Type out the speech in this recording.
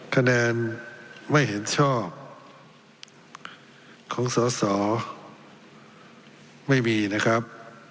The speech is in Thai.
คะแนนไม่เห็นชอบของสอสอไม่มีนะครับ